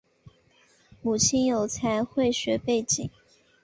母亲有财会学背景。